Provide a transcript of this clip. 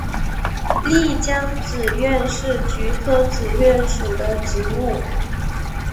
丽江紫菀是菊科紫菀属的植物。